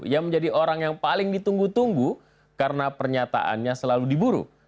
yang menjadi orang yang paling ditunggu tunggu karena pernyataannya selalu diburu